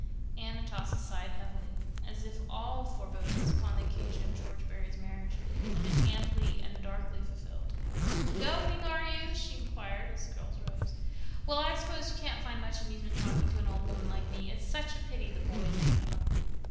Aunt Atossa sighed heavily, as if all forebodings upon the occasion of George Barry's marriage had been amply and darkly fulfilled. "Going, are you?" she inquired, as the girls rose. "Well, I suppose you can't find much amusement talking to an old woman like me. It's such a pity the boys ain't home."